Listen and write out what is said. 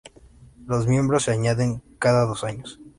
Los miembros se añaden cada dos años.